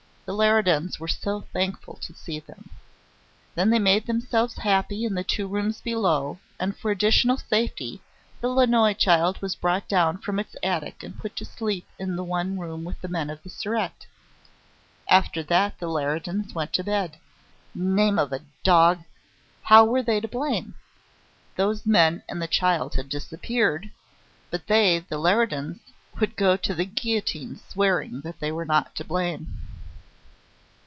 The Leridans were so thankful to see them! Then they made themselves happy in the two rooms below, and for additional safety the Lannoy child was brought down from its attic and put to sleep in the one room with the men of the Surete. After that the Leridans went to bed. Name of a dog! how were they to blame? Those men and the child had disappeared, but they (the Leridans) would go to the guillotine swearing that they were not to blame.